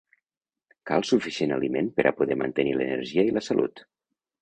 Cal suficient aliment per a poder mantenir l'energia i la salut.